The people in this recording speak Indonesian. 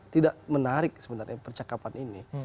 tidak menarik sebenarnya percakapan ini